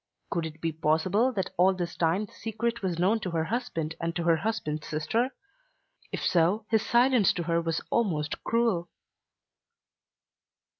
Could it be possible that all this time the secret was known to her husband and to her husband's sister? If so his silence to her was almost cruel.